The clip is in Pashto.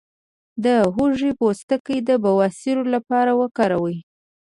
د هوږې پوستکی د بواسیر لپاره وکاروئ